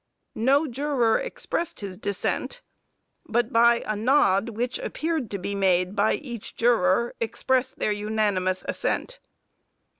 No juror expressed his dissent; but by a nod which appeared to be made by each juror, expressed their unanimous assent.